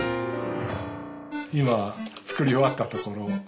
今作り終わったところ。